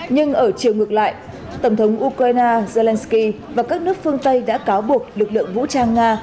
nhưng ở chiều ngược lại tổng thống ukraine zelensky và các nước phương tây đã cáo buộc lực lượng vũ trang nga